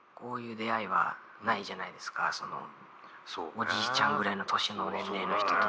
おじいちゃんぐらいの年の年齢の人と。